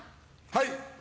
はい。